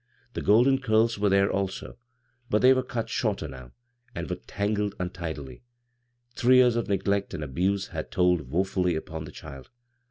The golden curls were there, also, but they were cut shorter now, and were tan gled untidily. Three years of neglect and abuse had told woefully upon the child.